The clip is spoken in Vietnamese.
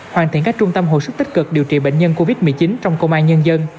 hoàn thiện các trung tâm hồi sức tích cực điều trị bệnh nhân covid một mươi chín trong công an nhân dân